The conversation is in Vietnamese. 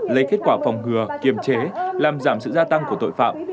lấy kết quả phòng ngừa kiềm chế làm giảm sự gia tăng của tội phạm